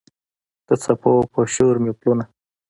د څپو پر شور مې پلونه